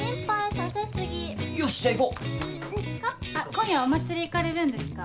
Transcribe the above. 今夜お祭り行かれるんですか？